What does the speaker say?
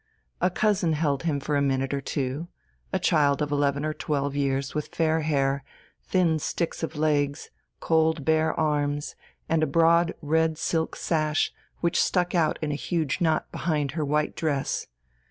A cousin held him for a minute or two, a child of eleven or twelve years with fair hair, thin sticks of legs, cold bare arms, and a broad red silk sash which stuck out in a huge knot behind her white dress.